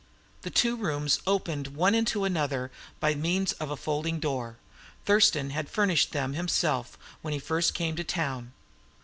The two rooms opened one into the other by means of a folding door. Thurston had furnished them himself when he first came to town.